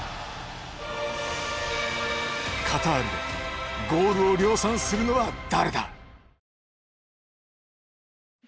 カタールでゴールを量産するのは誰だ。